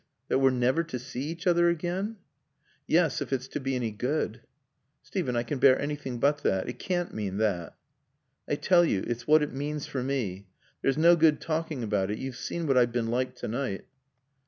That we're never to see each other again?" "Yes, if it's to be any good." "Steven, I can bear anything but that. It can't mean that." "I tell you it's what it means for me. There's no good talking about it. You've seen what I've been like tonight."